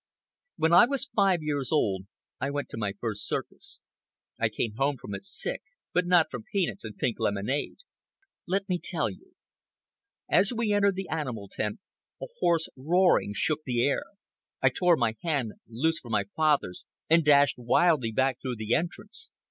When I was five years old I went to my first circus. I came home from it sick—but not from peanuts and pink lemonade. Let me tell you. As we entered the animal tent, a hoarse roaring shook the air. I tore my hand loose from my father's and dashed wildly back through the entrance.